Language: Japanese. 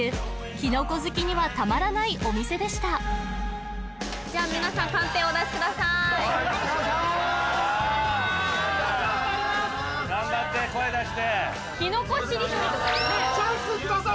キノコ好きにはたまらないお店でしたじゃあ皆さんカンペをお出しください頑張って声出してキノコしりとりとかねえ・